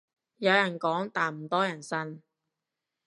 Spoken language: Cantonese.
有人講但唔多人信